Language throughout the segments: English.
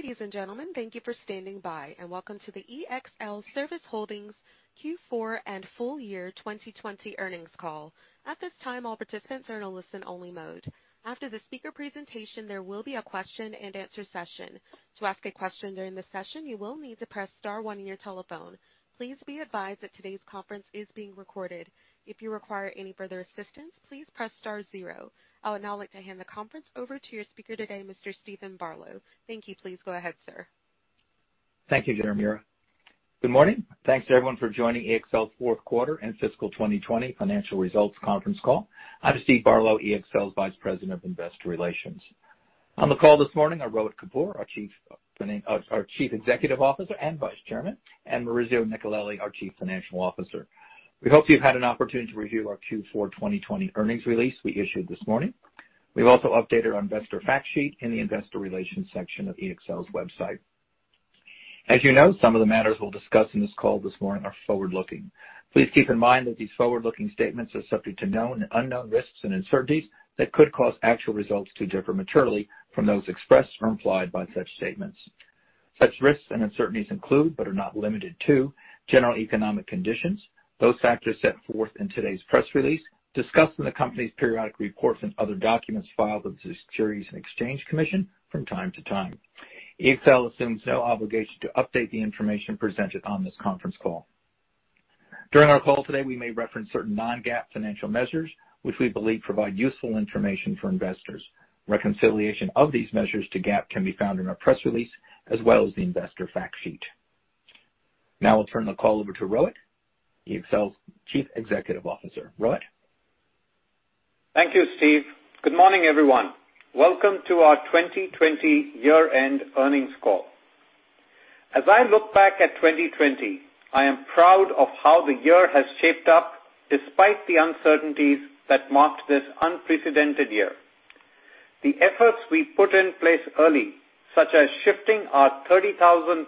Ladies and gentlemen, thank you for standing by, and welcome to the ExlService Holdings, Inc. Q4 and full year 2020 earnings call. At this time, all participants are in a listen only mode. After the speaker presentation, there will be a question and answer session. To ask a question during the session, you will need to press star one on your telephone. Please be advised that today's conference is being recorded. If you require any further assistance, please press star zero. I would now like to hand the conference over to your speaker today, Mr. Steven Barlow. Thank you. Please go ahead, sir. Thank you, Amira. Good morning. Thanks to everyone for joining EXL's fourth quarter and fiscal 2020 financial results conference call. I'm Steve Barlow, EXL's Vice President of Investor Relations. On the call this morning are Rohit Kapoor, our Chief Executive Officer and Vice Chairman, and Maurizio Nicolelli, our Chief Financial Officer. We hope you've had an opportunity to review our Q4 2020 earnings release we issued this morning. We've also updated our investor fact sheet in the investor relations section of EXL's website. As you know, some of the matters we'll discuss in this call this morning are forward-looking. Please keep in mind that these forward-looking statements are subject to known and unknown risks and uncertainties that could cause actual results to differ materially from those expressed or implied by such statements. Such risks and uncertainties include, but are not limited to, general economic conditions, those factors set forth in today's press release, discussed in the company's periodic reports and other documents filed with the Securities and Exchange Commission from time to time. EXL assumes no obligation to update the information presented on this conference call. During our call today, we may reference certain non-GAAP financial measures, which we believe provide useful information for investors. Reconciliation of these measures to GAAP can be found in our press release as well as the investor fact sheet. Now I'll turn the call over to Rohit, EXL's Chief Executive Officer. Rohit? Thank you, Steve. Good morning, everyone. Welcome to our 2020 year-end earnings call. As I look back at 2020, I am proud of how the year has shaped up despite the uncertainties that marked this unprecedented year. The efforts we put in place early, such as shifting our 30,000+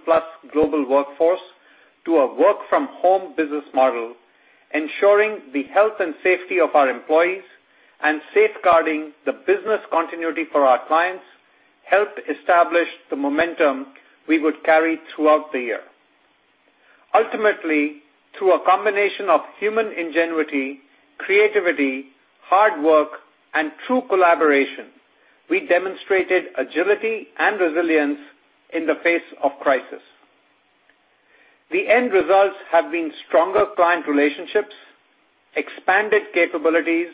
global workforce to a work from home business model, ensuring the health and safety of our employees, and safeguarding the business continuity for our clients, helped establish the momentum we would carry throughout the year. Ultimately, through a combination of human ingenuity, creativity, hard work, and true collaboration, we demonstrated agility and resilience in the face of crisis. The end results have been stronger client relationships, expanded capabilities,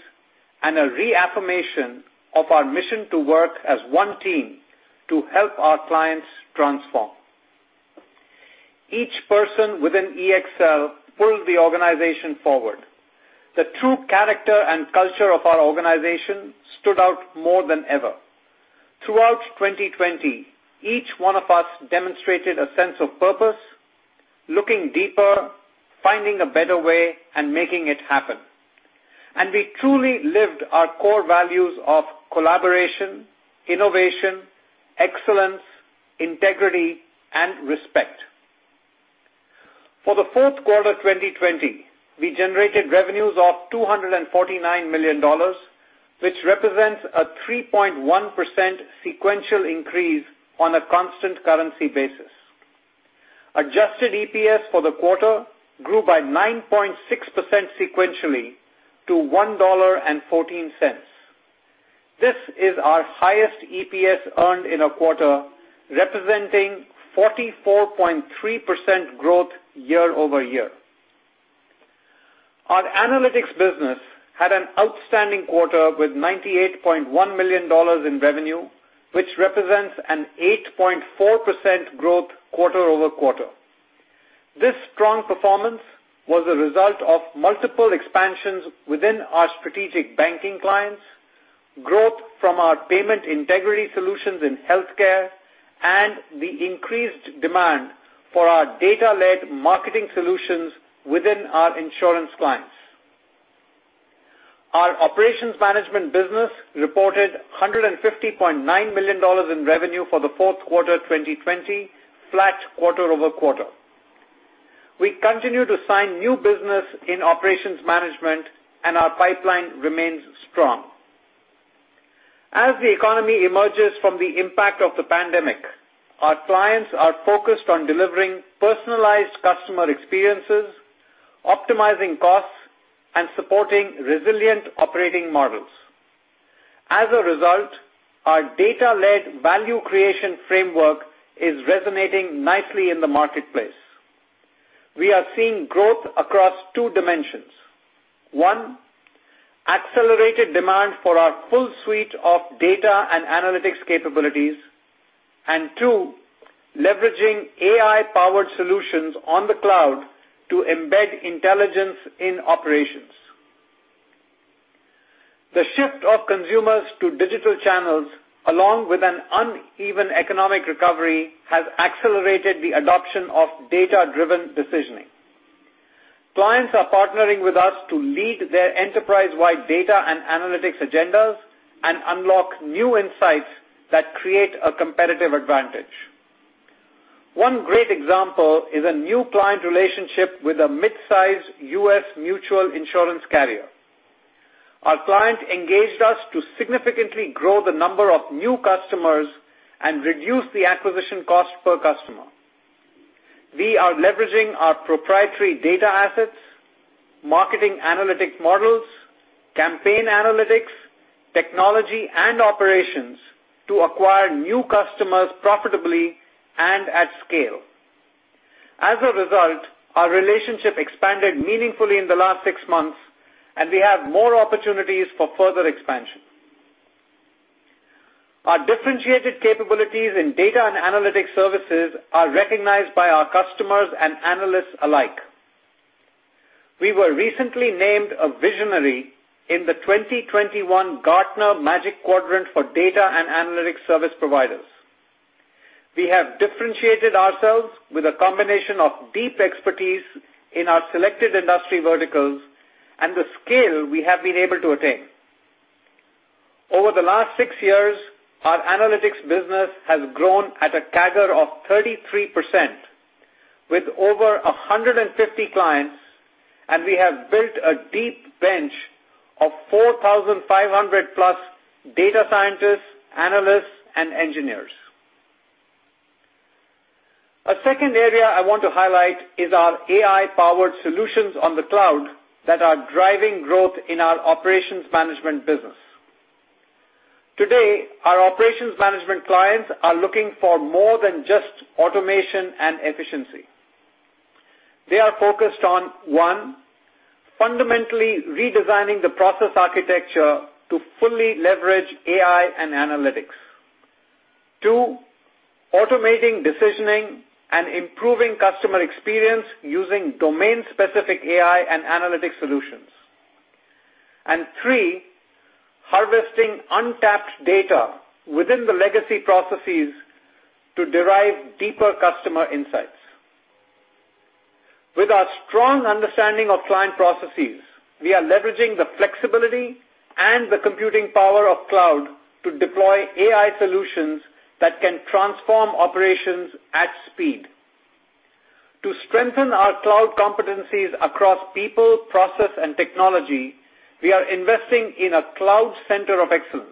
and a reaffirmation of our mission to work as one team to help our clients transform. Each person within EXL pulled the organization forward. The true character and culture of our organization stood out more than ever. Throughout 2020, each one of us demonstrated a sense of purpose, looking deeper, finding a better way, and making it happen. We truly lived our core values of collaboration, innovation, excellence, integrity, and respect. For the fourth quarter 2020, we generated revenues of $249 million, which represents a 3.1% sequential increase on a constant currency basis. Adjusted EPS for the quarter grew by 9.6% sequentially to $1.14. This is our highest EPS earned in a quarter, representing 44.3% growth year-over-year. Our analytics business had an outstanding quarter with $98.1 million in revenue, which represents an 8.4% growth quarter-over-quarter. This strong performance was a result of multiple expansions within our strategic banking clients, growth from our payment integrity solutions in healthcare, and the increased demand for our data-led marketing solutions within our insurance clients. Our operations management business reported $150.9 million in revenue for the fourth quarter 2020, flat quarter-over-quarter. We continue to sign new business in operations management and our pipeline remains strong. As the economy emerges from the impact of the pandemic, our clients are focused on delivering personalized customer experiences, optimizing costs, and supporting resilient operating models. As a result, our data-led value creation framework is resonating nicely in the marketplace. We are seeing growth across two dimensions. One, accelerated demand for our full suite of data and analytics capabilities. Two, leveraging AI-powered solutions on the cloud to embed intelligence in operations. The shift of consumers to digital channels, along with an uneven economic recovery, has accelerated the adoption of data-driven decisioning. Clients are partnering with us to lead their enterprise-wide data and analytics agendas and unlock new insights that create a competitive advantage. One great example is a new client relationship with a mid-size U.S. mutual insurance carrier. Our client engaged us to significantly grow the number of new customers and reduce the acquisition cost per customer. We are leveraging our proprietary data assets, marketing analytic models, campaign analytics, technology and operations to acquire new customers profitably and at scale. As a result, our relationship expanded meaningfully in the last six months, and we have more opportunities for further expansion. Our differentiated capabilities in data and analytic services are recognized by our customers and analysts alike. We were recently named a visionary in the 2021 Gartner Magic Quadrant for data and analytics service providers. We have differentiated ourselves with a combination of deep expertise in our selected industry verticals and the scale we have been able to attain. Over the last six years, our analytics business has grown at a CAGR of 33%, with over 150 clients, and we have built a deep bench of 4,500+ data scientists, analysts, and engineers. A second area I want to highlight is our AI-powered solutions on the cloud that are driving growth in our operations management business. Today, our operations management clients are looking for more than just automation and efficiency. They are focused on, one, fundamentally redesigning the process architecture to fully leverage AI and analytics. Two, automating decisioning and improving customer experience using domain-specific AI and analytics solutions. Three, harvesting untapped data within the legacy processes to derive deeper customer insights. With our strong understanding of client processes, we are leveraging the flexibility and the computing power of cloud to deploy AI solutions that can transform operations at speed. To strengthen our cloud competencies across people, process, and technology, we are investing in a cloud center of excellence.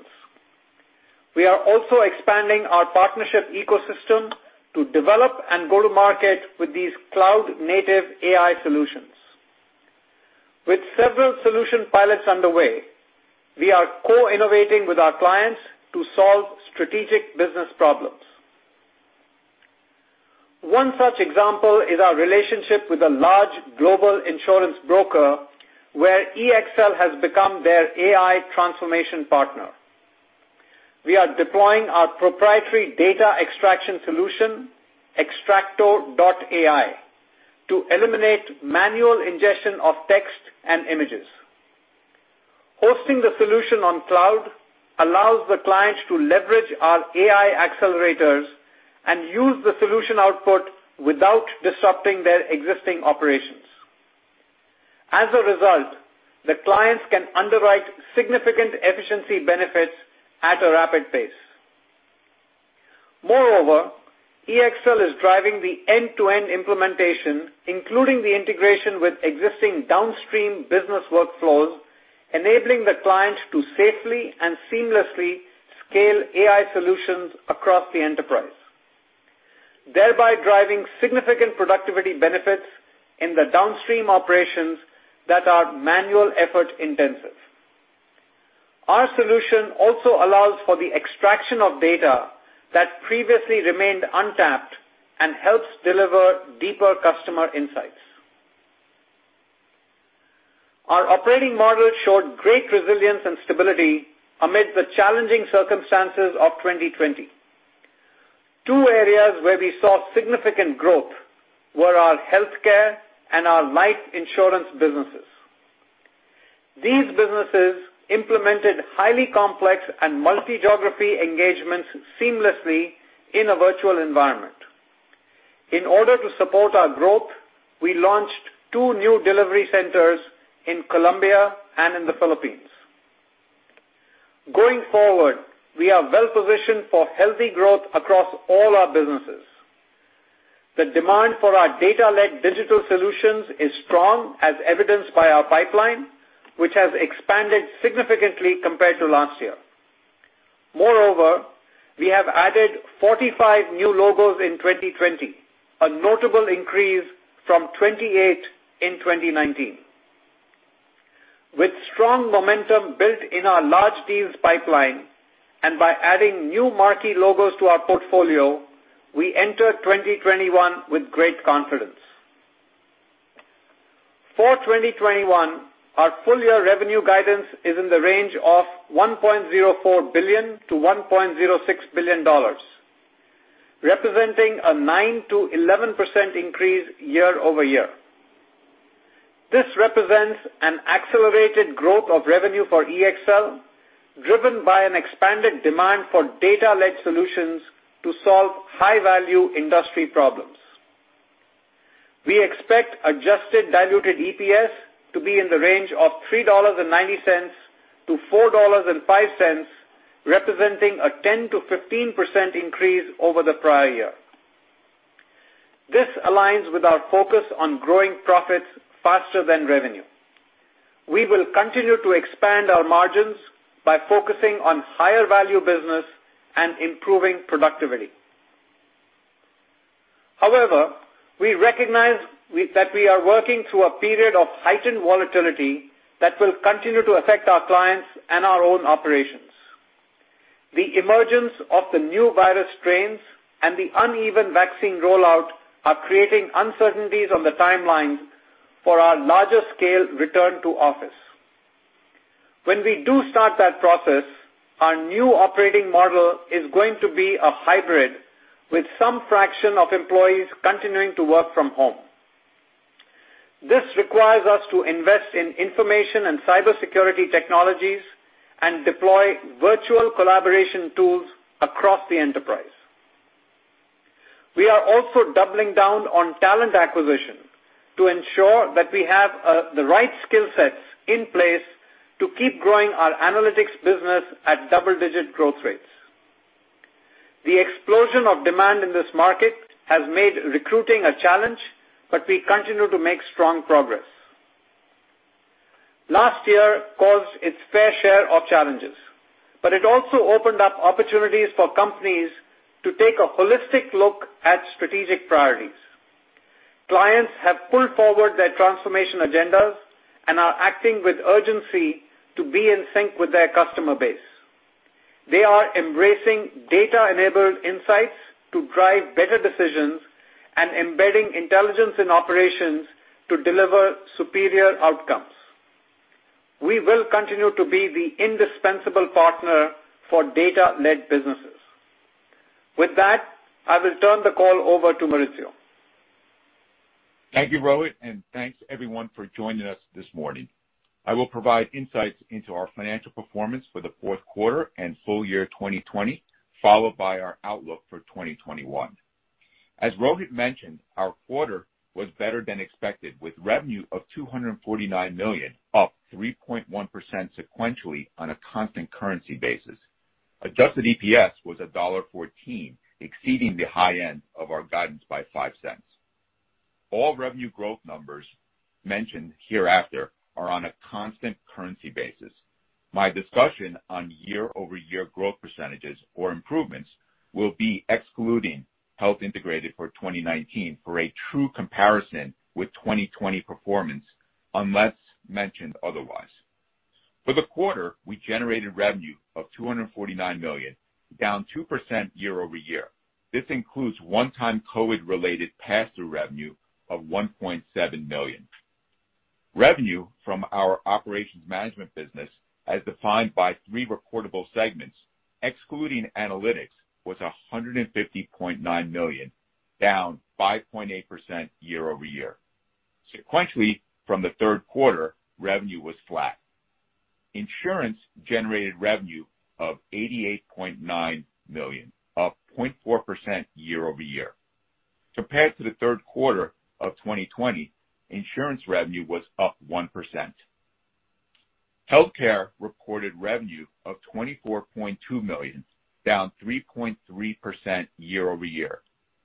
We are also expanding our partnership ecosystem to develop and go to market with these cloud-native AI solutions. With several solution pilots underway, we are co-innovating with our clients to solve strategic business problems. One such example is our relationship with a large global insurance broker, where EXL has become their AI transformation partner. We are deploying our proprietary data extraction solution, XTRAKTO.AI, to eliminate manual ingestion of text and images. Hosting the solution on cloud allows the clients to leverage our AI accelerators and use the solution output without disrupting their existing operations. As a result, the clients can underwrite significant efficiency benefits at a rapid pace. Moreover, EXL is driving the end-to-end implementation, including the integration with existing downstream business workflows, enabling the clients to safely and seamlessly scale AI solutions across the enterprise, thereby driving significant productivity benefits in the downstream operations that are manual effort-intensive. Our solution also allows for the extraction of data that previously remained untapped and helps deliver deeper customer insights. Our operating model showed great resilience and stability amid the challenging circumstances of 2020. Two areas where we saw significant growth were our healthcare and our life insurance businesses. These businesses implemented highly complex and multi-geography engagements seamlessly in a virtual environment. In order to support our growth, we launched two new delivery centers in Colombia and in the Philippines. Going forward, we are well-positioned for healthy growth across all our businesses. The demand for our data-led digital solutions is strong, as evidenced by our pipeline, which has expanded significantly compared to last year. Moreover, we have added 45 new logos in 2020, a notable increase from 28 in 2019. With strong momentum built in our large deals pipeline, and by adding new marquee logos to our portfolio, we enter 2021 with great confidence. For 2021, our full-year revenue guidance is in the range of $1.04 billion-$1.06 billion, representing a 9%-11% increase year-over-year. This represents an accelerated growth of revenue for EXL, driven by an expanded demand for data-led solutions to solve high-value industry problems. We expect adjusted diluted EPS to be in the range of $3.90-$4.05, representing a 10%-15% increase over the prior year. This aligns with our focus on growing profits faster than revenue. We will continue to expand our margins by focusing on higher value business and improving productivity. However, we recognize that we are working through a period of heightened volatility that will continue to affect our clients and our own operations. The emergence of the new virus strains and the uneven vaccine rollout are creating uncertainties on the timeline for our larger scale return to office. When we do start that process, our new operating model is going to be a hybrid with some fraction of employees continuing to work from home. This requires us to invest in information and cybersecurity technologies and deploy virtual collaboration tools across the enterprise. We are also doubling down on talent acquisition to ensure that we have the right skill sets in place to keep growing our analytics business at double-digit growth rates. The explosion of demand in this market has made recruiting a challenge, but we continue to make strong progress. Last year caused its fair share of challenges, but it also opened up opportunities for companies to take a holistic look at strategic priorities. Clients have pulled forward their transformation agendas and are acting with urgency to be in sync with their customer base. They are embracing data-enabled insights to drive better decisions and embedding intelligence in operations to deliver superior outcomes. We will continue to be the indispensable partner for data-led businesses. With that, I will turn the call over to Maurizio. Thank you, Rohit, and thanks everyone for joining us this morning. I will provide insights into our financial performance for the fourth quarter and full year 2020, followed by our outlook for 2021. As Rohit mentioned, our quarter was better than expected, with revenue of $249 million, up 3.1% sequentially on a constant currency basis. Adjusted EPS was $1.14, exceeding the high end of our guidance by $0.05. All revenue growth numbers mentioned hereafter are on a constant currency basis. My discussion on year-over-year growth percentages or improvements will be excluding Health Integrated for 2019 for a true comparison with 2020 performance, unless mentioned otherwise. For the quarter, we generated revenue of $249 million, down 2% year-over-year. This includes one-time COVID-related pass-through revenue of $1.7 million. Revenue from our operations management business, as defined by three recordable segments, excluding analytics, was $150.9 million, down 5.8% year-over-year. Sequentially, from the third quarter, revenue was flat. Insurance generated revenue of $88.9 million, up 0.4% year-over-year. Compared to the third quarter of 2020, insurance revenue was up 1%. Healthcare reported revenue of $24.2 million, down 3.3% year-over-year.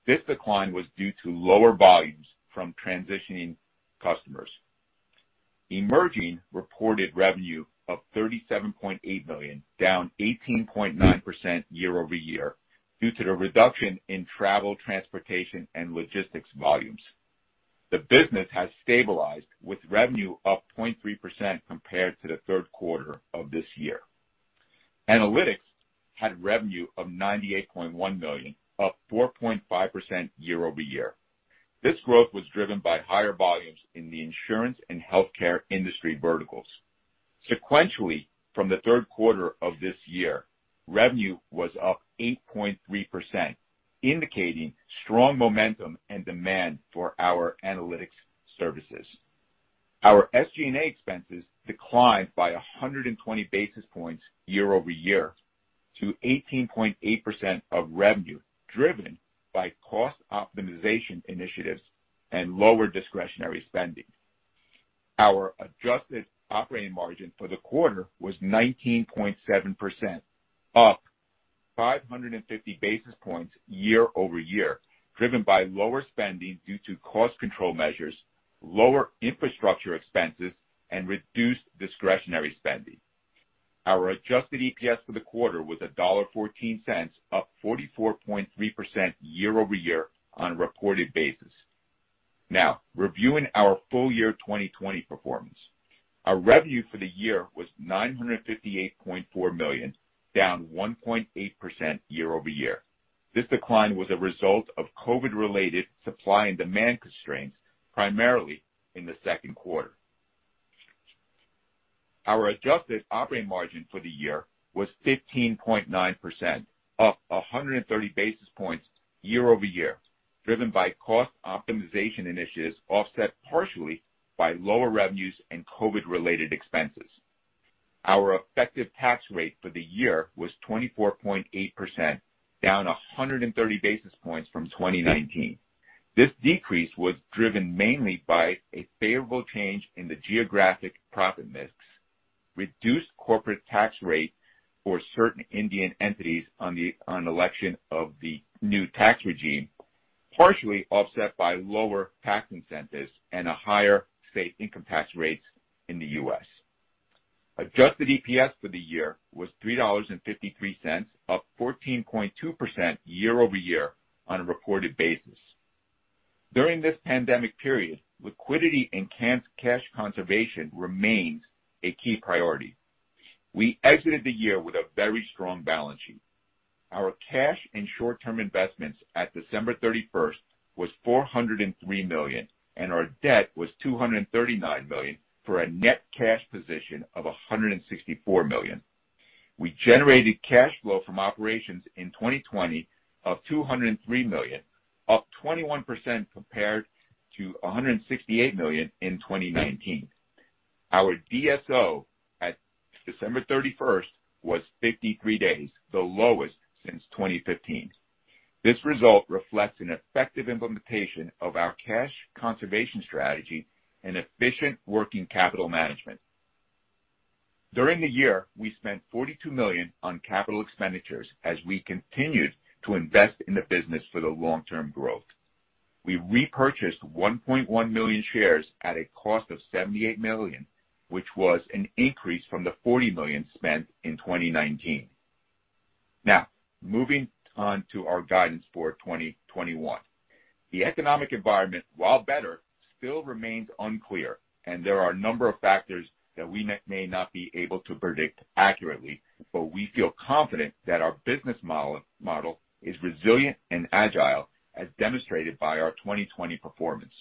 This decline was due to lower volumes from transitioning customers. Emerging reported revenue of $37.8 million, down 18.9% year-over-year due to the reduction in travel, transportation, and logistics volumes. The business has stabilized with revenue up 0.3% compared to the third quarter of this year. Analytics had revenue of $98.1 million, up 4.5% year-over-year. This growth was driven by higher volumes in the insurance and healthcare industry verticals. Sequentially, from the third quarter of this year, revenue was up 8.3%, indicating strong momentum and demand for our analytics services. Our SG&A expenses declined by 120 basis points year-over-year to 18.8% of revenue, driven by cost optimization initiatives and lower discretionary spending. Our adjusted operating margin for the quarter was 19.7%, up 550 basis points year-over-year, driven by lower spending due to cost control measures, lower infrastructure expenses, and reduced discretionary spending. Our adjusted EPS for the quarter was $1.14, up 44.3% year-over-year on a reported basis. Now, reviewing our full year 2020 performance. Our revenue for the year was $958.4 million, down 1.8% year-over-year. This decline was a result of COVID-related supply and demand constraints, primarily in the second quarter. Our adjusted operating margin for the year was 15.9%, up 130 basis points year-over-year, driven by cost optimization initiatives offset partially by lower revenues and COVID-related expenses. Our effective tax rate for the year was 24.8%, down 130 basis points from 2019. This decrease was driven mainly by a favorable change in the geographic profit mix, reduced corporate tax rate for certain Indian entities on election of the new tax regime, partially offset by lower tax incentives and higher state income tax rates in the U.S. Adjusted EPS for the year was $3.53, up 14.2% year-over-year on a reported basis. During this pandemic period, liquidity and cash conservation remains a key priority. We exited the year with a very strong balance sheet. Our cash and short-term investments at December 31st was $403 million, and our debt was $239 million for a net cash position of $164 million. We generated cash flow from operations in 2020 of $203 million, up 21% compared to $168 million in 2019. Our DSO at December 31st was 53 days, the lowest since 2015. This result reflects an effective implementation of our cash conservation strategy and efficient working capital management. During the year, we spent $42 million on capital expenditures as we continued to invest in the business for long-term growth. We repurchased 1.1 million shares at a cost of $78 million, which was an increase from the $40 million spent in 2019. Moving on to our guidance for 2021. The economic environment, while better, still remains unclear, and there are a number of factors that we may not be able to predict accurately, but we feel confident that our business model is resilient and agile, as demonstrated by our 2020 performance.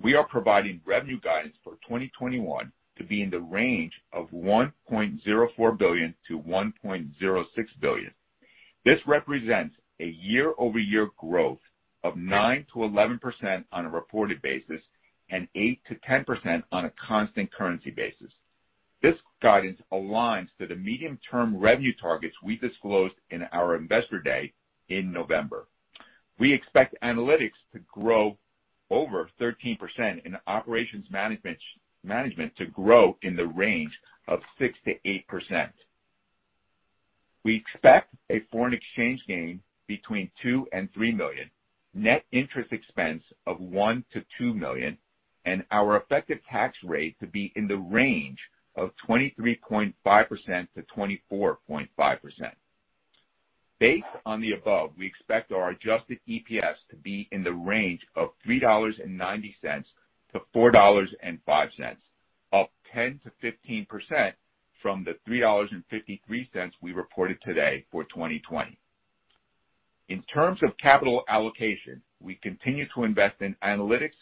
We are providing revenue guidance for 2021 to be in the range of $1.04 billion-$1.06 billion. This represents a year-over-year growth of 9%-11% on a reported basis and 8%-10% on a constant currency basis. This guidance aligns to the medium-term revenue targets we disclosed in our Investor Day in November. We expect analytics to grow over 13% and operations management to grow in the range of 6%-8%. We expect a foreign exchange gain between $2 million and $3 million, net interest expense of $1 million-$2 million, and our effective tax rate to be in the range of 23.5%-24.5%. Based on the above, we expect our adjusted EPS to be in the range of $3.90-$4.05, up 10%-15% from the $3.53 we reported today for 2020. In terms of capital allocation, we continue to invest in analytics,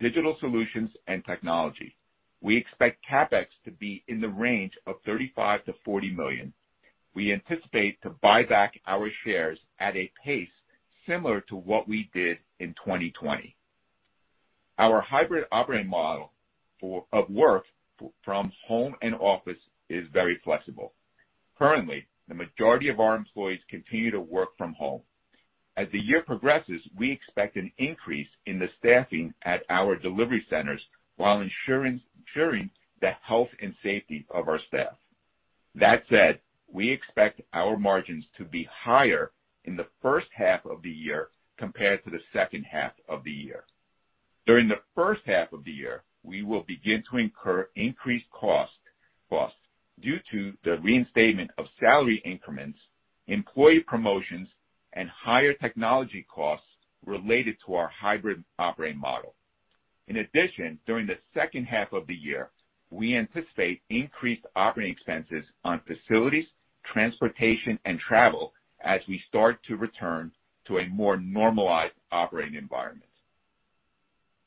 digital solutions, and technology. We expect CapEx to be in the range of $35 million-$40 million. We anticipate to buy back our shares at a pace similar to what we did in 2020. Our hybrid operating model of work from home and office is very flexible. Currently, the majority of our employees continue to work from home. As the year progresses, we expect an increase in the staffing at our delivery centers while ensuring the health and safety of our staff. That said, we expect our margins to be higher in the first half of the year compared to the second half of the year. During the first half of the year, we will begin to incur increased costs due to the reinstatement of salary increments, employee promotions, and higher technology costs related to our hybrid operating model. In addition, during the second half of the year, we anticipate increased operating expenses on facilities, transportation, and travel as we start to return to a more normalized operating environment.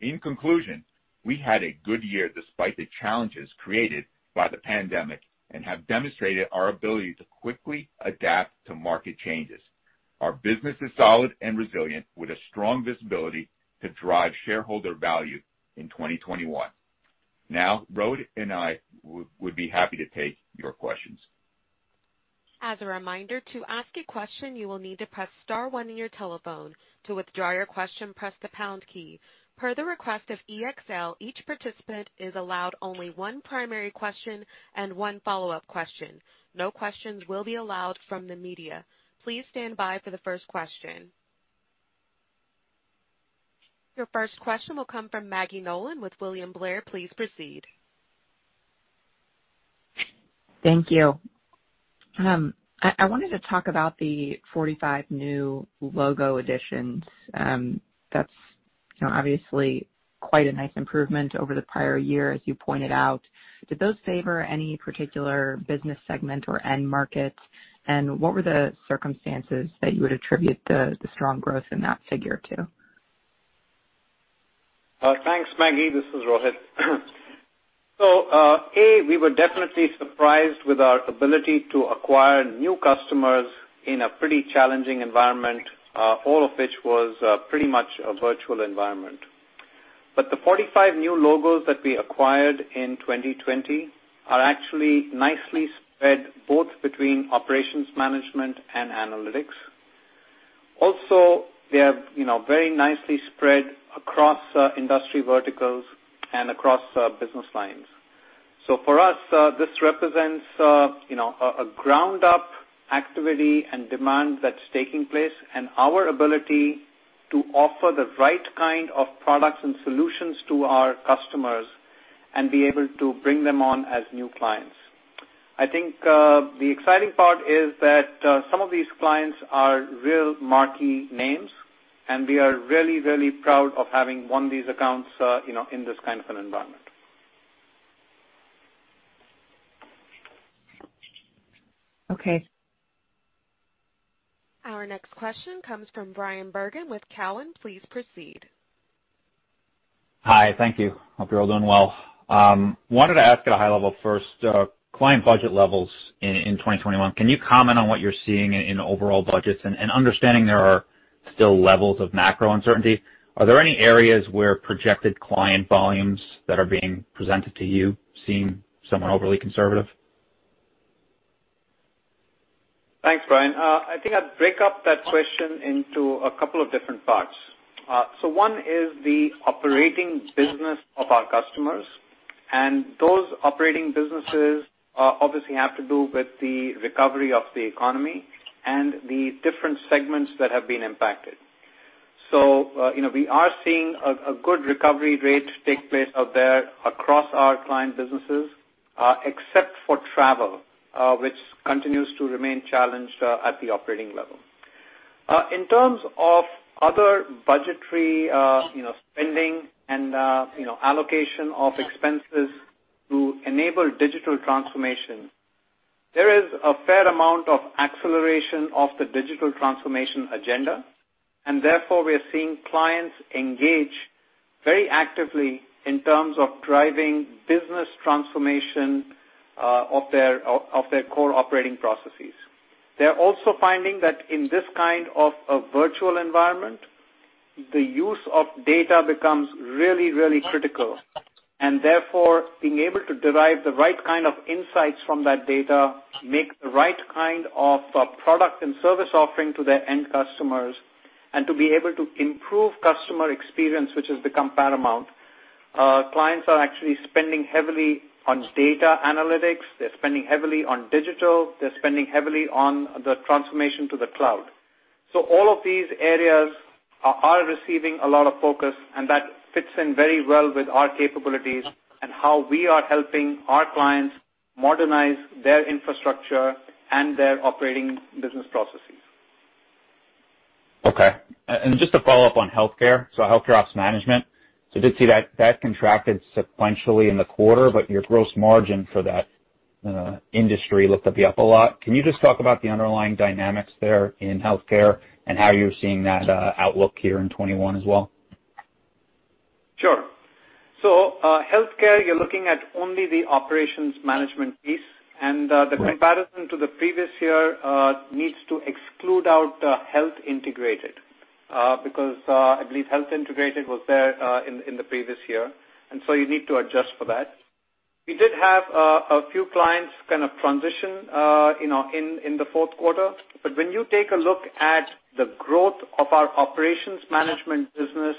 In conclusion, we had a good year despite the challenges created by the pandemic and have demonstrated our ability to quickly adapt to market changes. Our business is solid and resilient, with strong visibility to drive shareholder value in 2021. Now, Rohit and I would be happy to take your questions. As a reminder, to ask a question, you will need to press star one on your telephone. To withdraw your question, press the pound key. Per the request of EXL, each participant is allowed only one primary question and one follow-up question. No questions will be allowed from the media. Please stand by for the first question. Your first question will come from Maggie Nolan with William Blair. Please proceed. Thank you. I wanted to talk about the 45 new logo additions. That's obviously quite a nice improvement over the prior year, as you pointed out. Did those favor any particular business segment or end markets? What were the circumstances that you would attribute the strong growth in that figure to? Thanks, Maggie. This is Rohit. A, we were definitely surprised with our ability to acquire new customers in a pretty challenging environment, all of which was pretty much a virtual environment. The 45 new logos that we acquired in 2020 are actually nicely spread both between operations management and analytics. They are very nicely spread across industry verticals and across business lines. For us, this represents a ground-up activity and demand that's taking place and our ability to offer the right kind of products and solutions to our customers and be able to bring them on as new clients. I think the exciting part is that some of these clients are real marquee names, and we are really, really proud of having won these accounts in this kind of an environment. Okay. Our next question comes from Bryan Bergin with Cowen. Please proceed. Hi, thank you. Hope you're all doing well. Wanted to ask at a high level first, client budget levels in 2021, can you comment on what you're seeing in overall budgets? Understanding there are still levels of macro uncertainty, are there any areas where projected client volumes that are being presented to you seem somewhat overly conservative? Thanks, Bryan. I think I'd break up that question into a couple of different parts. One is the operating business of our customers, and those operating businesses obviously have to do with the recovery of the economy and the different segments that have been impacted. We are seeing a good recovery rate take place out there across our client businesses except for travel, which continues to remain challenged at the operating level. In terms of other budgetary spending and allocation of expenses to enable digital transformation, there is a fair amount of acceleration of the digital transformation agenda, and therefore, we are seeing clients engage very actively in terms of driving business transformation of their core operating processes. They're also finding that in this kind of a virtual environment, the use of data becomes really, really critical, and therefore, being able to derive the right kind of insights from that data, make the right kind of product and service offering to their end customers, and to be able to improve customer experience, which has become paramount. Clients are actually spending heavily on data analytics. They're spending heavily on digital. They're spending heavily on the transformation to the cloud. All of these areas are receiving a lot of focus, and that fits in very well with our capabilities and how we are helping our clients modernize their infrastructure and their operating business processes. Okay. Just to follow up on healthcare. Healthcare Ops Management. I did see that contracted sequentially in the quarter, but your gross margin for that industry looked to be up a lot. Can you just talk about the underlying dynamics there in healthcare and how you're seeing that outlook here in 2021 as well? Sure. Healthcare, you're looking at only the operations management piece. Right. The comparison to the previous year needs to exclude out Health Integrated, because I believe Health Integrated was there in the previous year, and so you need to adjust for that. We did have a few clients kind of transition in the fourth quarter. When you take a look at the growth of our operations management business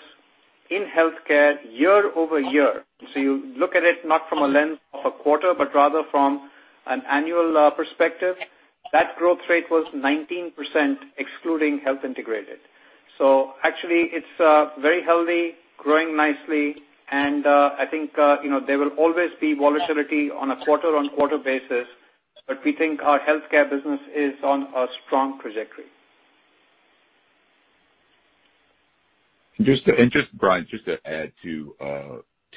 in healthcare year-over-year, so you look at it not from a lens of a quarter, but rather from an annual perspective, that growth rate was 19%, excluding Health Integrated. Actually, it's very healthy, growing nicely, and I think there will always be volatility on a quarter-on-quarter basis, but we think our healthcare business is on a strong trajectory. Bryan, just to add to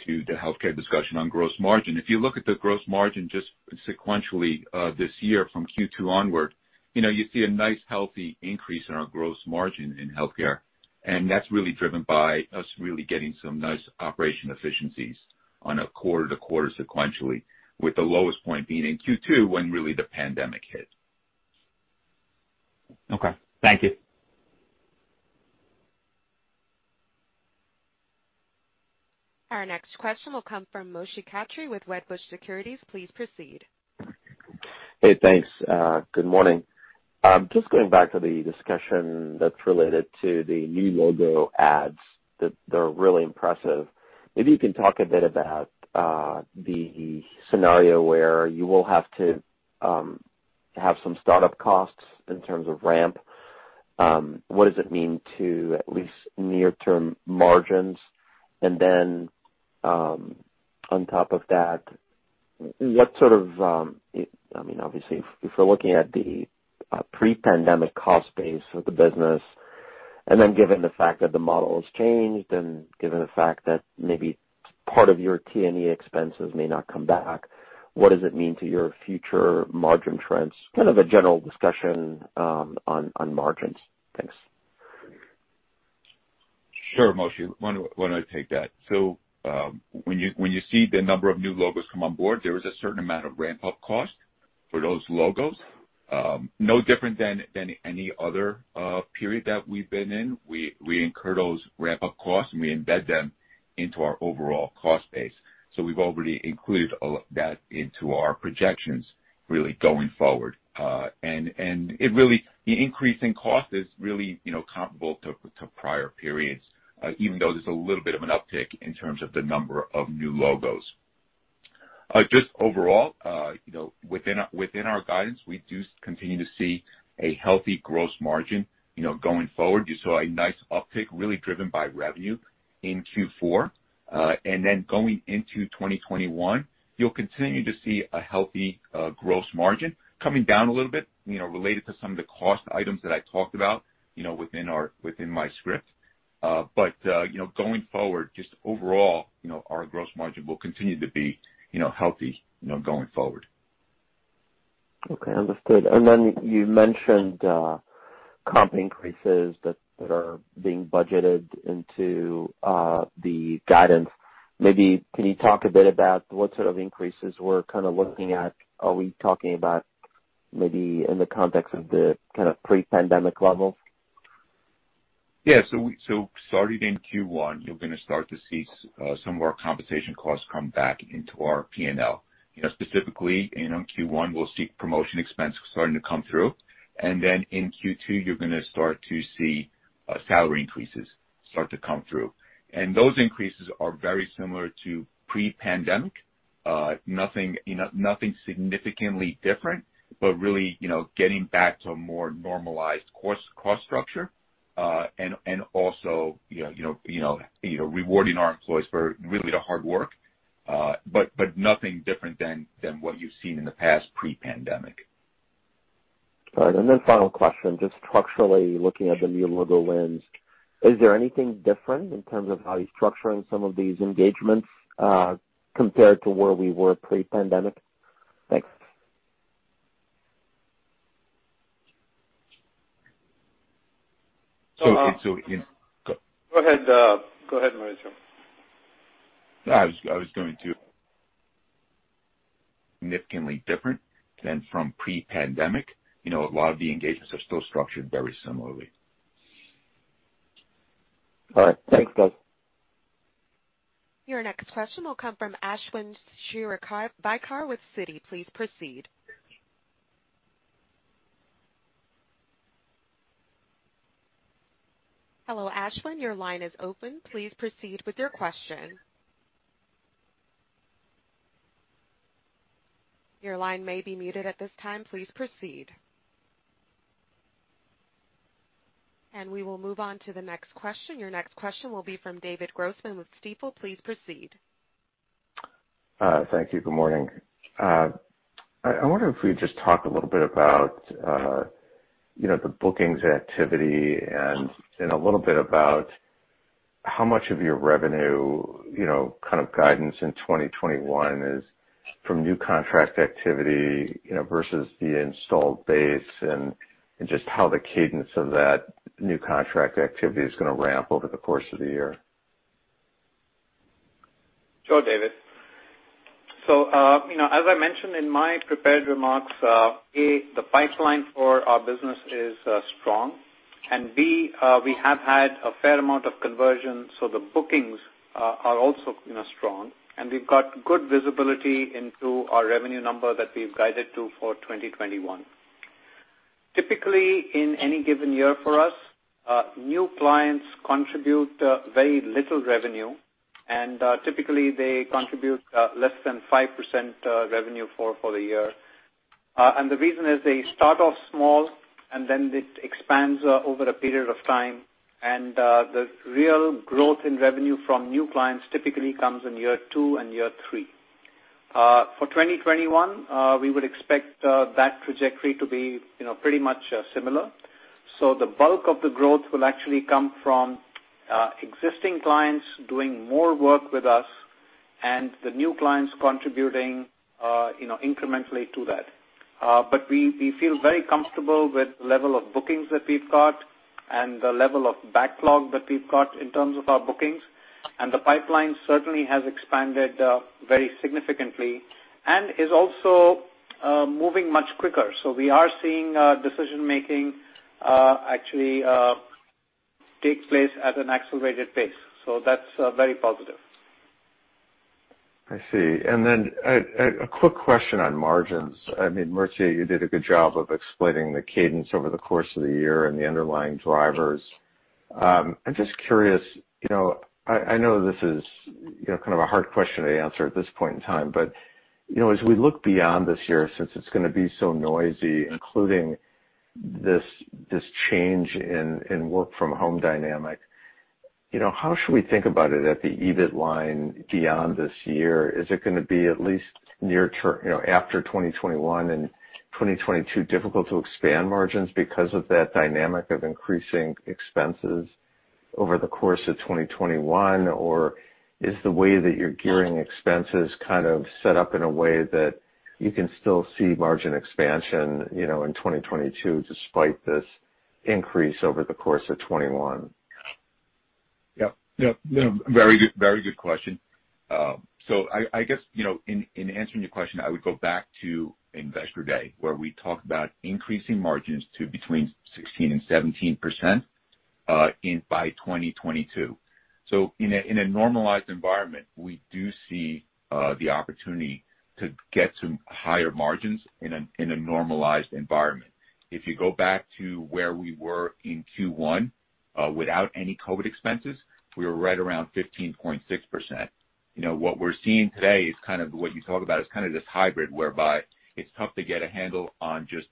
the healthcare discussion on gross margin. If you look at the gross margin just sequentially, this year from Q2 onward, you see a nice healthy increase in our gross margin in healthcare, and that's really driven by us really getting some nice operational efficiencies on a quarter-to-quarter sequentially with the lowest point being in Q2 when really the pandemic hit. Okay. Thank you. Our next question will come from Moshe Katri with Wedbush Securities. Please proceed. Hey, thanks. Good morning. Just going back to the discussion that's related to the new logo adds that they're really impressive. Maybe you can talk a bit about the scenario where you will have to have some startup costs in terms of ramp. What does it mean to at least near-term margins? On top of that, obviously, if we're looking at the pre-pandemic cost base of the business, and then given the fact that the model has changed and given the fact that maybe part of your T&E expenses may not come back, what does it mean to your future margin trends? Kind of a general discussion on margins. Thanks. Sure, Moshe. Why don't I take that? When you see the number of new logos come on board, there is a certain amount of ramp-up cost for those logos, no different than any other period that we've been in. We incur those ramp-up costs, and we embed them into our overall cost base. We've already included that into our projections really going forward. The increase in cost is really comparable to prior periods, even though there's a little bit of an uptick in terms of the number of new logos. Just overall, within our guidance, we do continue to see a healthy gross margin going forward. You saw a nice uptick really driven by revenue in Q4. Going into 2021, you'll continue to see a healthy gross margin coming down a little bit, related to some of the cost items that I talked about within my script. Going forward, just overall, our gross margin will continue to be healthy going forward. Okay, understood. You mentioned comp increases that are being budgeted into the guidance. Maybe can you talk a bit about what sort of increases we're kind of looking at? Are we talking about maybe in the context of the pre-pandemic levels? Yeah. Starting in Q1, you're going to start to see some of our compensation costs come back into our P&L. Specifically in Q1, we'll see promotion expense starting to come through. In Q2, you're going to start to see salary increases start to come through. Those increases are very similar to pre-pandemic. Nothing significantly different, really getting back to a more normalized cost structure. Also rewarding our employees for really the hard work. Nothing different than what you've seen in the past pre-pandemic. All right. Final question, just structurally looking at the new logo wins, is there anything different in terms of how you're structuring some of these engagements, compared to where we were pre-pandemic? Thanks. So- Go ahead, Maurizio. I was going to say significantly different than from pre-pandemic. A lot of the engagements are still structured very similarly. All right. Thanks, guys. Your next question will come from Ashwin Shirvaikar with Citi. Please proceed. Hello, Ashwin, your line is open. Please proceed with your question. Your line may be muted at this time. Please proceed. We will move on to the next question. Your next question will be from David Grossman with Stifel. Please proceed. Thank you. Good morning. I wonder if we could just talk a little bit about the bookings activity and a little bit about how much of your revenue kind of guidance in 2021 is from new contract activity versus the installed base, and just how the cadence of that new contract activity is going to ramp over the course of the year. Sure, David. As I mentioned in my prepared remarks, A, the pipeline for our business is strong, and B, we have had a fair amount of conversion, so the bookings are also strong. We've got good visibility into our revenue number that we've guided to for 2021. Typically, in any given year for us, new clients contribute very little revenue, and typically they contribute less than 5% revenue for the year. The reason is they start off small, and then it expands over a period of time. The real growth in revenue from new clients typically comes in year two and year three. For 2021, we would expect that trajectory to be pretty much similar. The bulk of the growth will actually come from existing clients doing more work with us and the new clients contributing incrementally to that. We feel very comfortable with the level of bookings that we've got and the level of backlog that we've got in terms of our bookings. The pipeline certainly has expanded very significantly and is also moving much quicker. We are seeing decision-making actually take place at an accelerated pace. That's very positive. I see. A quick question on margins. I mean, Maurizio, you did a good job of explaining the cadence over the course of the year and the underlying drivers. I'm just curious, I know this is kind of a hard question to answer at this point in time, but as we look beyond this year, since it's going to be so noisy, including this change in work from home dynamic, how should we think about it at the EBIT line beyond this year? Is it going to be at least after 2021 and 2022 difficult to expand margins because of that dynamic of increasing expenses over the course of 2021? Or is the way that you're gearing expenses kind of set up in a way that you can still see margin expansion in 2022 despite this increase over the course of 2021? Yep. Very good question. I guess, in answering your question, I would go back to Investor Day, where we talked about increasing margins to between 16% and 17% by 2022. In a normalized environment, we do see the opportunity to get some higher margins in a normalized environment. If you go back to where we were in Q1, without any COVID expenses, we were right around 15.6%. What we're seeing today is what you talk about, is this hybrid whereby it's tough to get a handle on just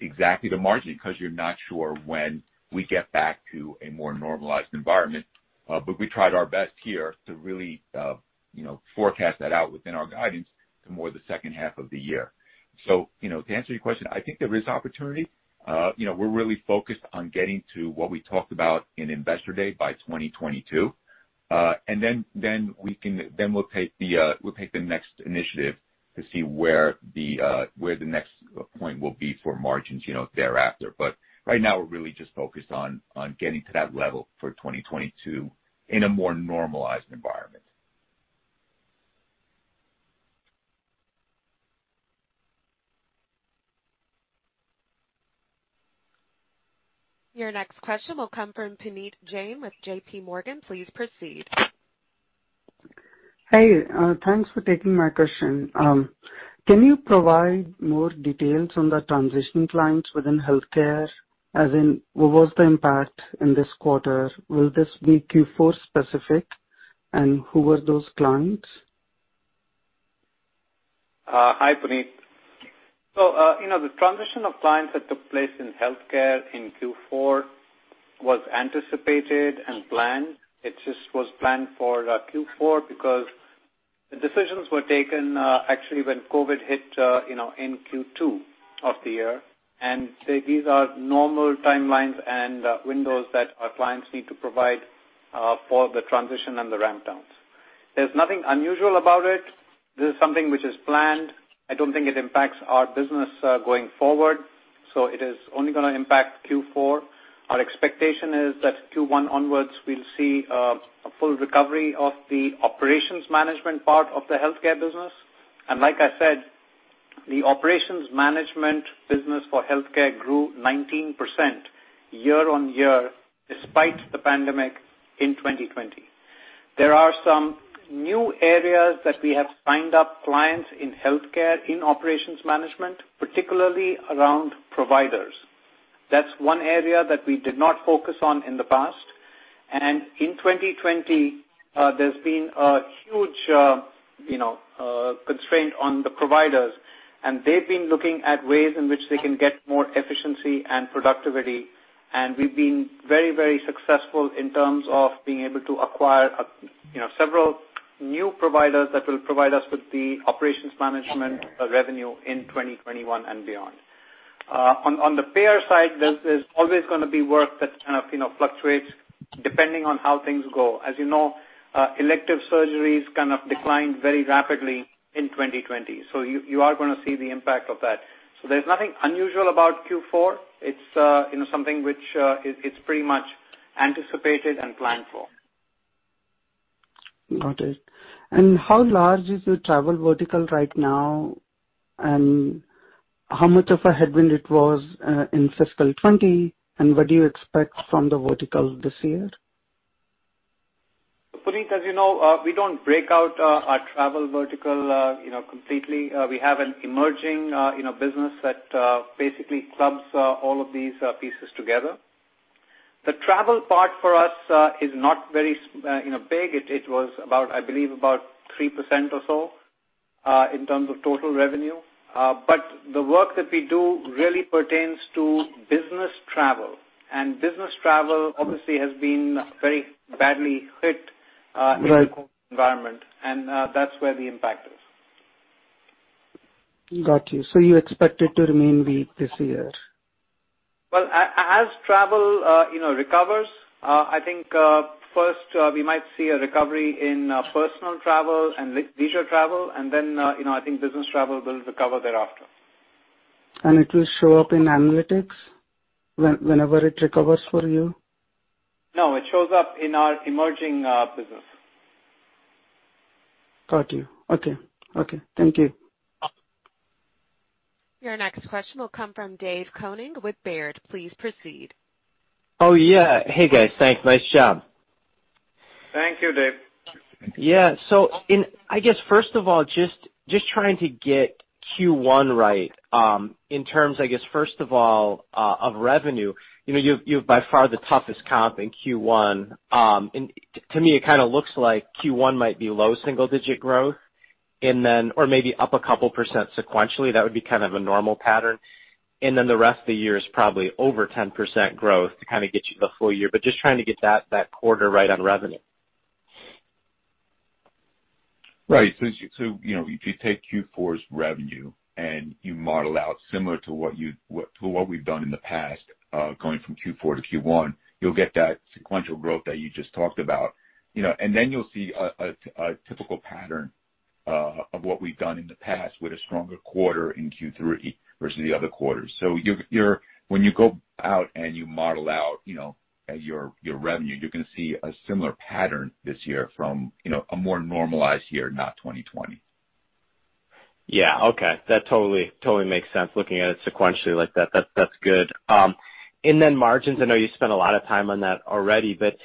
exactly the margin, because you're not sure when we get back to a more normalized environment. We tried our best here to really forecast that out within our guidance to more the second half of the year. To answer your question, I think there is opportunity. We're really focused on getting to what we talked about in Investor Day by 2022. We'll take the next initiative to see where the next point will be for margins thereafter. Right now, we're really just focused on getting to that level for 2022 in a more normalized environment. Your next question will come from Puneet Jain with JPMorgan. Please proceed. Hey, thanks for taking my question. Can you provide more details on the transition clients within healthcare? As in, what was the impact in this quarter? Will this be Q4 specific? Who are those clients? Hi, Puneet. The transition of clients that took place in healthcare in Q4 was anticipated and planned. It just was planned for Q4 because the decisions were taken actually when COVID hit in Q2 of the year. These are normal timelines and windows that our clients need to provide for the transition and the ramp downs. There's nothing unusual about it. This is something which is planned. I don't think it impacts our business going forward. It is only going to impact Q4. Our expectation is that Q1 onwards, we'll see a full recovery of the operations management part of the healthcare business. Like I said, the operations management business for healthcare grew 19% year-over-year despite the pandemic in 2020. There are some new areas that we have signed up clients in healthcare in operations management, particularly around providers. That's one area that we did not focus on in the past. In 2020, there's been a huge constraint on the providers, and they've been looking at ways in which they can get more efficiency and productivity. We've been very successful in terms of being able to acquire several new providers that will provide us with the operations management revenue in 2021 and beyond. On the payer side, there's always going to be work that kind of fluctuates depending on how things go. As you know elective surgeries kind of declined very rapidly in 2020. You are going to see the impact of that. There's nothing unusual about Q4. It's something which is pretty much anticipated and planned for. Got it. How large is your travel vertical right now? How much of a headwind it was in fiscal 2020, and what do you expect from the vertical this year? Puneet, as you know, we don't break out our travel vertical completely. We have an emerging business that basically clubs all of these pieces together. The travel part for us is not very big. It was, I believe, about 3% or so in terms of total revenue. The work that we do really pertains to business travel, and business travel obviously has been very badly hit– Right. –in the COVID environment, and that's where the impact is. Got you. You expect it to remain weak this year? Well, as travel recovers, I think first we might see a recovery in personal travel and leisure travel and then I think business travel will recover thereafter. It will show up in analytics whenever it recovers for you? No, it shows up in our emerging business. Got you. Okay. Thank you. Your next question will come from Dave Koning with Baird. Please proceed. Oh, yeah. Hey, guys. Thanks. Nice job. Thank you, Dave. I guess first of all, just trying to get Q1 right, in terms, I guess, first of all, of revenue. You've by far the toughest comp in Q1. To me, it kind of looks like Q1 might be low single digit growth, or maybe up a couple percent sequentially. That would be kind of a normal pattern. Then the rest of the year is probably over 10% growth to kind of get you the full year, but just trying to get that quarter right on revenue. Right. If you take Q4's revenue and you model out similar to what we've done in the past, going from Q4 to Q1, you'll get that sequential growth that you just talked about. Then you'll see a typical pattern of what we've done in the past with a stronger quarter in Q3 versus the other quarters. When you go out and you model out your revenue, you're going to see a similar pattern this year from a more normalized year, not 2020. Yeah. Okay. That totally makes sense looking at it sequentially like that. That's good. Margins, I know you spent a lot of time on that already, but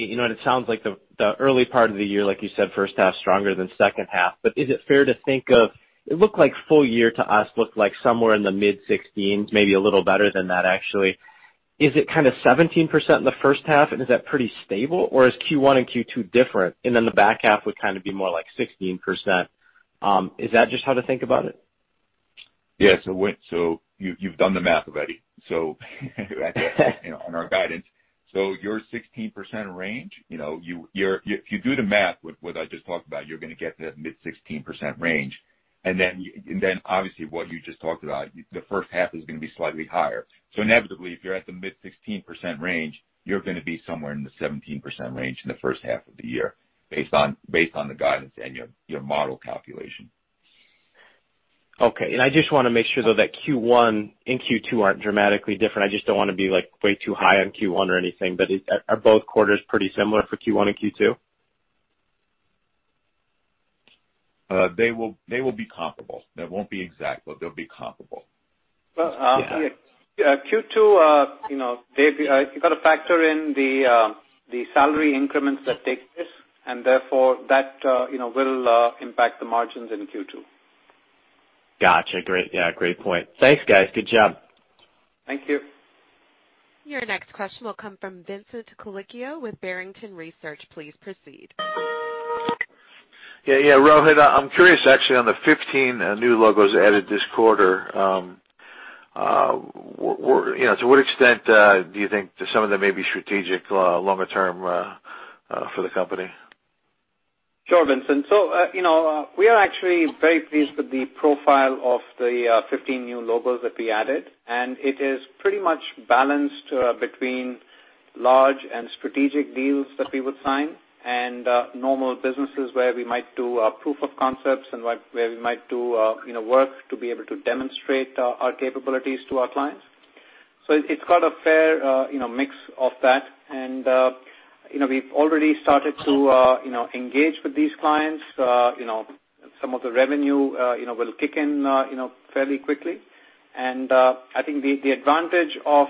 it sounds like the early part of the year, like you said, first half stronger than second half. Is it fair to think of it looked like full year to us looked like somewhere in the mid-16%, maybe a little better than that, actually. Is it kind of 17% in the first half, and is that pretty stable, or is Q1 and Q2 different, and then the back half would be more like 16%? Is that just how to think about it? Yes. You've done the math already. On our guidance. Your 16% range, if you do the math with what I just talked about, you're going to get that mid-16% range. Obviously, what you just talked about, the first half is going to be slightly higher. Inevitably, if you're at the mid-16% range, you're going to be somewhere in the 17% range in the first half of the year based on the guidance and your model calculation. Okay. I just want to make sure, though, that Q1 and Q2 aren't dramatically different. I just don't want to be way too high on Q1 or anything, but are both quarters pretty similar for Q1 and Q2? They will be comparable. They won't be exact, but they'll be comparable. Q2, you've got to factor in the salary increments that take place, and therefore that will impact the margins in Q2. Got you. Great. Yeah, great point. Thanks, guys. Good job. Thank you. Your next question will come from Vincent Colicchio with Barrington Research. Please proceed. Yeah. Rohit, I'm curious actually on the 15 new logos added this quarter. To what extent do you think some of them may be strategic longer term for the company? Sure, Vincent. We are actually very pleased with the profile of the 15 new logos that we added, and it is pretty much balanced between large and strategic deals that we would sign and normal businesses where we might do proof of concepts and where we might do work to be able to demonstrate our capabilities to our clients. It's got a fair mix of that. We've already started to engage with these clients. Some of the revenue will kick in fairly quickly. I think the advantage of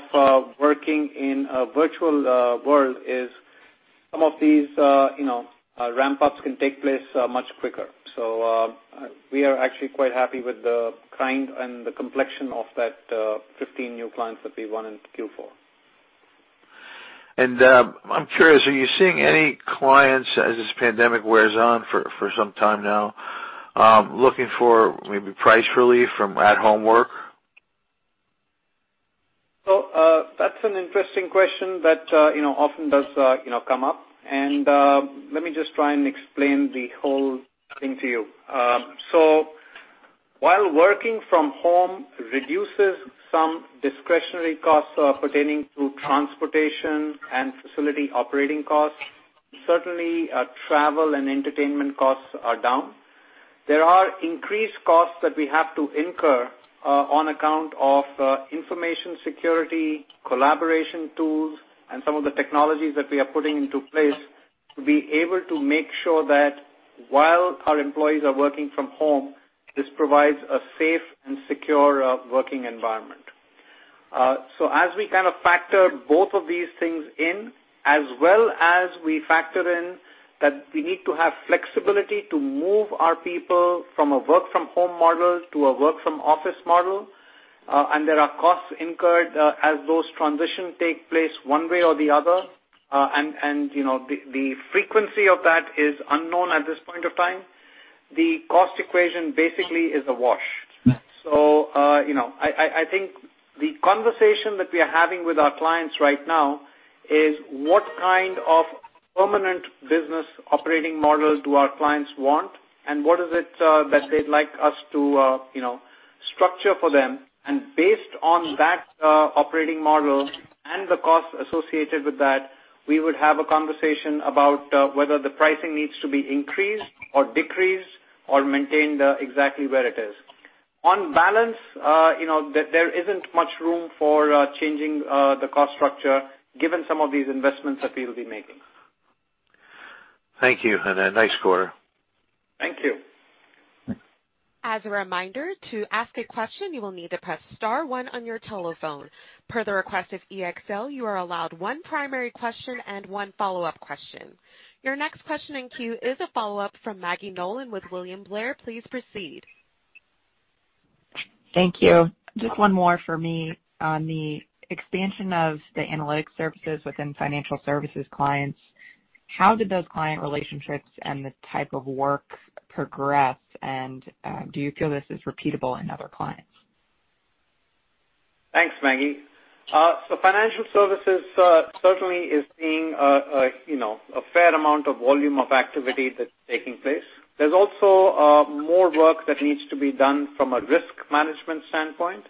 working in a virtual world is some of these ramp-ups can take place much quicker. We are actually quite happy with the kind and the complexion of that 15 new clients that we won into Q4. I'm curious, are you seeing any clients as this pandemic wears on for some time now, looking for maybe price relief from at-home work? That's an interesting question that often does come up, and let me just try and explain the whole thing to you. While working from home reduces some discretionary costs pertaining to transportation and facility operating costs, certainly travel and entertainment costs are down. There are increased costs that we have to incur on account of information security, collaboration tools, and some of the technologies that we are putting into place to be able to make sure that while our employees are working from home, this provides a safe and secure working environment. As we kind of factor both of these things in, as well as we factor in that we need to have flexibility to move our people from a work from home model to a work from office model, and there are costs incurred as those transitions take place one way or the other, and the frequency of that is unknown at this point of time. The cost equation basically is a wash. Yeah. I think the conversation that we are having with our clients right now is what kind of permanent business operating model do our clients want, and what is it that they'd like us to structure for them? Based on that operating model and the cost associated with that, we would have a conversation about whether the pricing needs to be increased or decreased or maintained exactly where it is. On balance, there isn't much room for changing the cost structure given some of these investments that we'll be making. Thank you, and have a nice quarter. Thank you. As a reminder, to ask a question, you will need to press star one on your telephone. Per the request of EXL, you are allowed one primary question and one follow-up question. Your next question in queue is a follow-up from Maggie Nolan with William Blair. Please proceed. Thank you. Just one more for me on the expansion of the analytics services within financial services clients. How did those client relationships and the type of work progress, and do you feel this is repeatable in other clients? Thanks, Maggie. Financial services certainly is seeing a fair amount of volume of activity that's taking place. There's also more work that needs to be done from a risk management standpoint.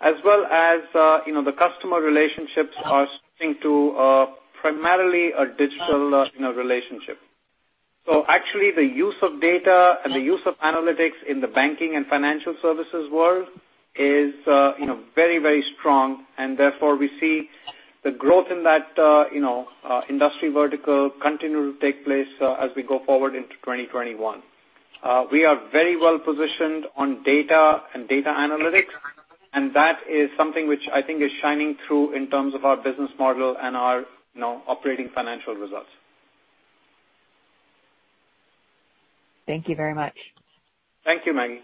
As well as the customer relationships are starting to primarily a digital relationship. Actually, the use of data and the use of analytics in the banking and financial services world is very strong. Therefore, we see the growth in that industry vertical continue to take place as we go forward into 2021. We are very well-positioned on data and data analytics, and that is something which I think is shining through in terms of our business model and our operating financial results. Thank you very much. Thank you, Maggie.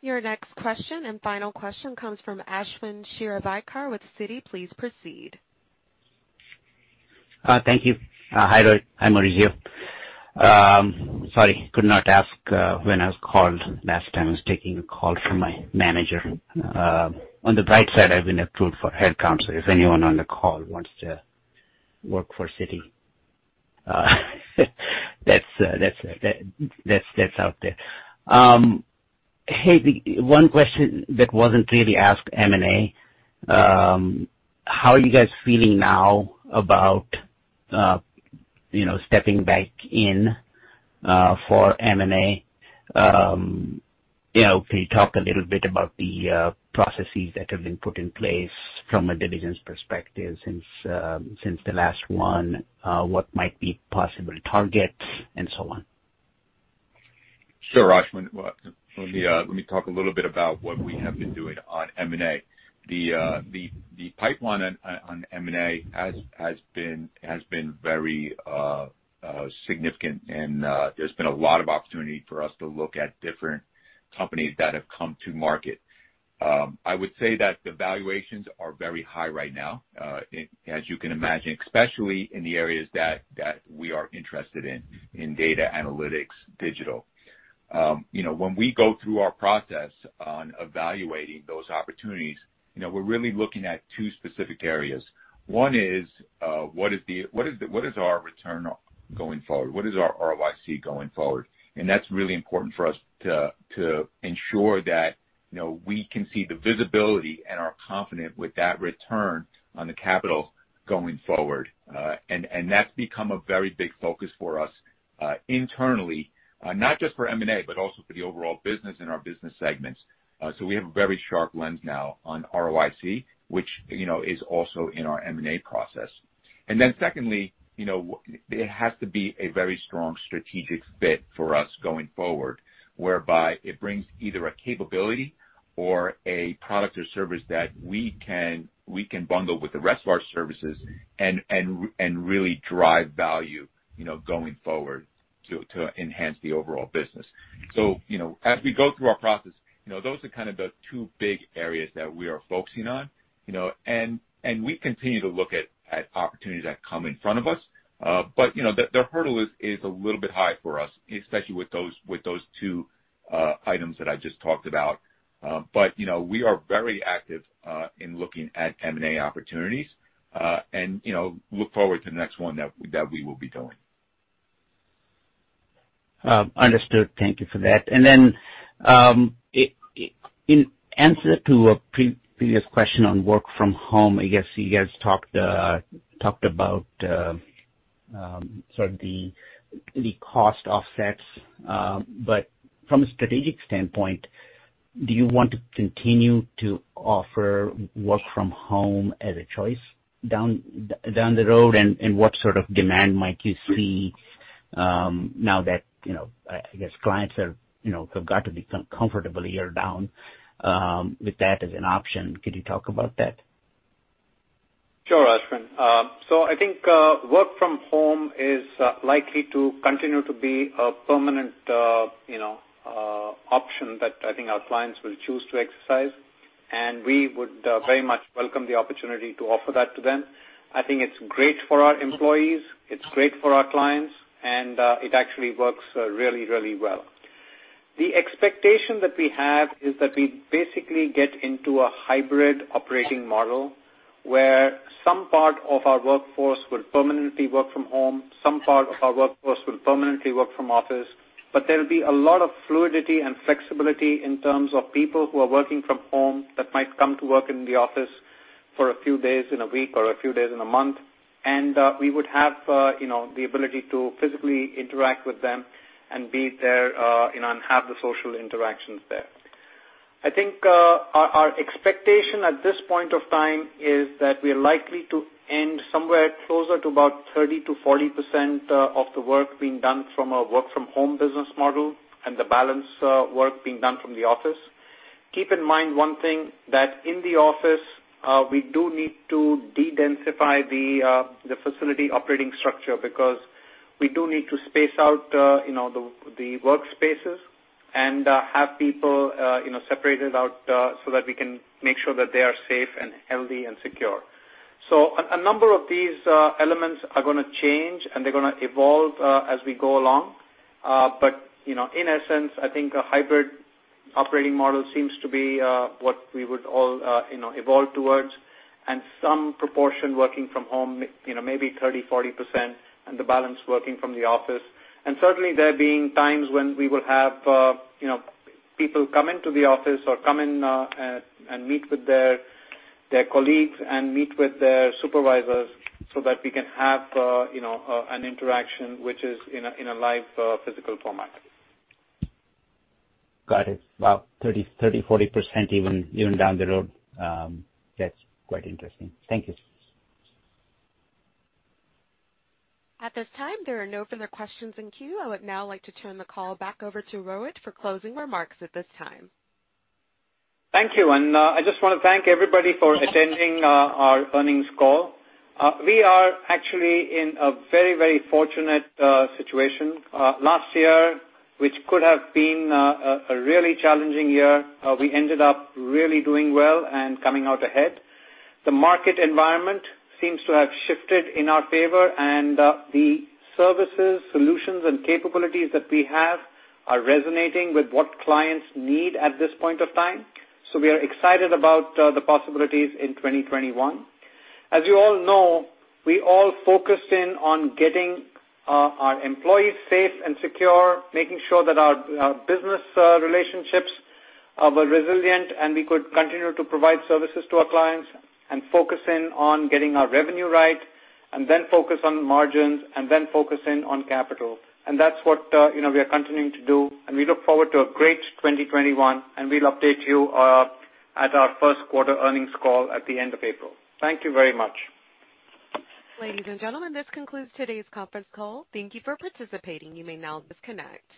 Your next question and final question comes from Ashwin Shirvaikar with Citi. Please proceed. Thank you. Hi, Rohit. Hi, Maurizio. Sorry, could not ask when I was called last time. I was taking a call from my manager. On the bright side, I've been approved for head count, so if anyone on the call wants to work for Citi, that's out there. Hey, one question that wasn't really asked, M&A. How are you guys feeling now about stepping back in for M&A? Can you talk a little bit about the processes that have been put in place from a diligence perspective since the last one, what might be possible targets, and so on? Sure, Ashwin. Let me talk a little bit about what we have been doing on M&A. The pipeline on M&A has been very significant, and there's been a lot of opportunity for us to look at different companies that have come to market. I would say that the valuations are very high right now, as you can imagine, especially in the areas that we are interested in data analytics, digital. When we go through our process on evaluating those opportunities, we're really looking at two specific areas. One is, what is our return going forward? What is our ROIC going forward? That's really important for us to ensure that we can see the visibility and are confident with that return on the capital going forward. That's become a very big focus for us internally, not just for M&A, but also for the overall business and our business segments. We have a very sharp lens now on ROIC, which is also in our M&A process. Secondly, it has to be a very strong strategic fit for us going forward, whereby it brings either a capability or a product or service that we can bundle with the rest of our services and really drive value going forward to enhance the overall business. As we go through our process, those are kind of the two big areas that we are focusing on. We continue to look at opportunities that come in front of us. The hurdle is a little bit high for us, especially with those two items that I just talked about. We are very active in looking at M&A opportunities, and look forward to the next one that we will be doing. Understood. Thank you for that. In answer to a previous question on work from home, I guess you guys talked about sort of the cost offsets. From a strategic standpoint, do you want to continue to offer work from home as a choice down the road? What sort of demand might you see now that, I guess, clients have got to become comfortable a year down with that as an option? Could you talk about that? Sure, Ashwin. I think work from home is likely to continue to be a permanent option that I think our clients will choose to exercise, and we would very much welcome the opportunity to offer that to them. I think it's great for our employees, it's great for our clients, and it actually works really well. The expectation that we have is that we basically get into a hybrid operating model, where some part of our workforce will permanently work from home, some part of our workforce will permanently work from office, but there'll be a lot of fluidity and flexibility in terms of people who are working from home that might come to work in the office for a few days in a week or a few days in a month. We would have the ability to physically interact with them and be there and have the social interactions there. I think our expectation at this point of time is that we're likely to end somewhere closer to about 30%-40% of the work being done from a work-from-home business model, and the balance work being done from the office. Keep in mind one thing, that in the office, we do need to de-densify the facility operating structure because we do need to space out the workspaces and have people separated out, so that we can make sure that they are safe and healthy and secure. A number of these elements are going to change, and they're going to evolve as we go along. In essence, I think a hybrid operating model seems to be what we would all evolve towards. Some proportion working from home, maybe 30%-40%, and the balance working from the office. Certainly, there being times when we will have people come into the office or come in and meet with their colleagues and meet with their supervisors so that we can have an interaction which is in a live physical format. Got it. Wow, 30%-40% even down the road. That's quite interesting. Thank you. At this time, there are no further questions in queue. I would now like to turn the call back over to Rohit for closing remarks at this time. Thank you. I just want to thank everybody for attending our earnings call. We are actually in a very fortunate situation. Last year, which could have been a really challenging year, we ended up really doing well and coming out ahead. The market environment seems to have shifted in our favor, and the services, solutions, and capabilities that we have are resonating with what clients need at this point of time. We are excited about the possibilities in 2021. As you all know, we all focused in on getting our employees safe and secure, making sure that our business relationships were resilient, and we could continue to provide services to our clients and focus in on getting our revenue right, and then focus on margins, and then focus in on capital. That's what we are continuing to do, and we look forward to a great 2021, and we'll update you at our first quarter earnings call at the end of April. Thank you very much. Ladies and gentlemen, this concludes today's conference call. Thank you for participating. You may now disconnect.